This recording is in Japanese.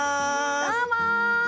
どうも！